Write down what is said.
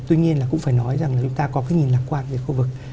tuy nhiên là cũng phải nói rằng là chúng ta có cái nhìn lạc quan về khu vực